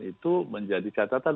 itu menjadi catatan